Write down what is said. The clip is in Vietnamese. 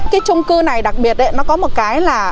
cái trung cư này đặc biệt nó có một cái là